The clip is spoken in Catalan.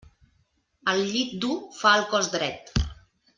El llit dur fa el cos dret.